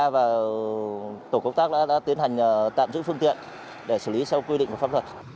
và tổ công tác đã tiến hành tạm giữ phương tiện để xử lý theo quy định của pháp luật